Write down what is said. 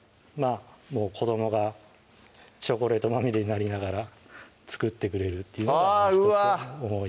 もう子どもがチョコレートまみれになりながら作ってくれるっていうのがあぁうわっ！